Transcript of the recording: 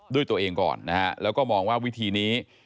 ด้วยตัวเองก่อนนะฮะแล้วก็มองว่าวิธีนี้